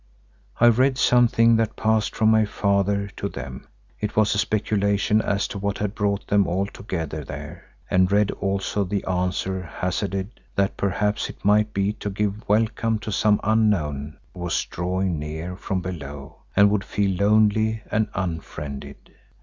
I read something that passed from my father to them. It was a speculation as to what had brought them all together there, and read also the answer hazarded, that perhaps it might be to give welcome to some unknown who was drawing near from below and would feel lonely and unfriended.